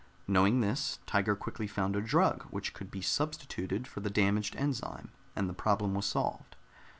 Knowing this, Tiger quickly found a drug which could be substituted for the damaged enzyme, and the problem was solved.